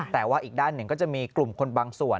แต่ว่าอีกด้านหนึ่งก็จะมีกลุ่มคนบางส่วน